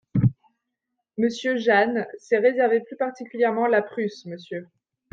Monsieur Jahn s'est réservé plus particulièrement la Prusse, M.